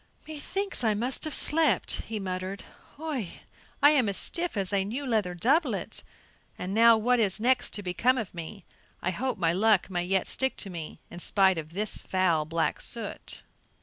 "Methinks I must have slept," he muttered. "Hui, I am as stiff as a new leather doublet, and now, what next is to become of me? I hope my luck may yet stick to me, in spite of this foul black soot!"